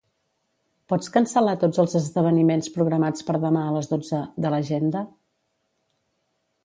Pots cancel·lar tots els esdeveniments programats per demà a les dotze de l'agenda?